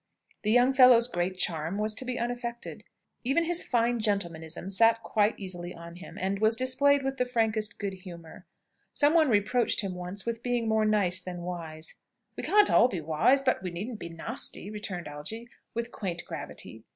The young fellow's great charm was to be unaffected. Even his fine gentlemanism sat quite easily on him, and was displayed with the frankest good humour. Some one reproached him once with being more nice than wise. "We can't all be wise, but we needn't be nasty!" returned Algy, with quaint gravity.